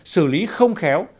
xử lý không khéo